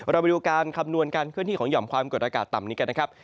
เราไปดูการคำนวณการเคลื่อนที่ของหย่อมความกดอากาศต่ำนี้กันนะครับ